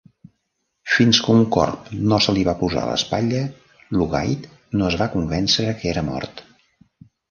Fins que un corb no se li va posar a l'espatlla, Lugaid no es va convèncer que era mort.